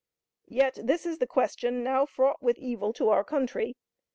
Yet this is the question now fraught with evil to our country.